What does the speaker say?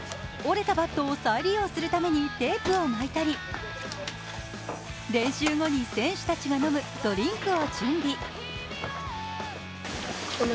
折れたバットを再利用するためにテープを巻いたり、練習後に選手たちが飲むドリンクを準備。